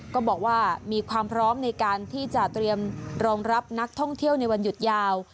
ก็บอกว่ามีความพร้อมในการที่จะเตรียมรองรับนักท่องเที่ยวในวันหยุดยาว